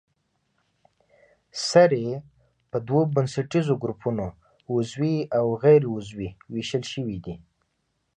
سرې په دوو بنسټیزو ګروپونو عضوي او غیر عضوي ویشل شوې دي.